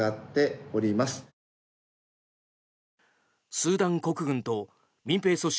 スーダン国軍と民兵組織